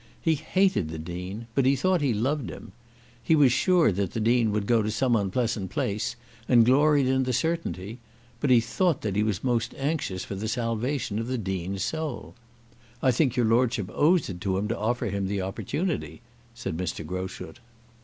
He hated the Dean; but he thought that he loved him. He was sure that the Dean would go to some unpleasant place, and gloried in the certainty; but he thought that he was most anxious for the salvation of the Dean's soul. "I think your Lordship owes it to him to offer him the opportunity," said Mr. Groschut.